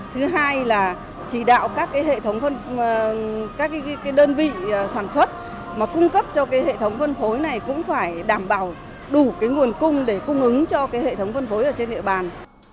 thứ hai là chỉ đạo các đơn vị sản xuất mà cung cấp cho hệ thống phân phối này cũng phải đảm bảo đủ nguồn cung để cung ứng cho hệ thống phân phối ở trên địa bàn